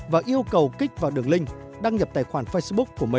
và yêu cầu kích vào đường link đăng nhập tài khoản facebook